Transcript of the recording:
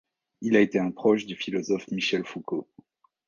Il a été un proche du philosophe Michel Foucault.